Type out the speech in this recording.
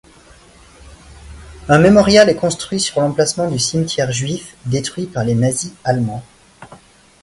Un mémorial est construit sur l'emplacement du cimetière juif détruit par les nazis allemands.